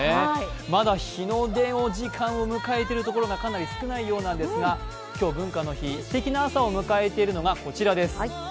まだ日の出の時間を迎えているところがかなり少ないようですが今日は文化の日、すてきな朝を迎えているのがこちらです。